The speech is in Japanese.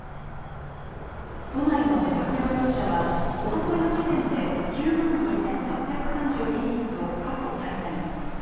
都内の自宅療養者はおとといの時点で９万２８３２人と過去最多に。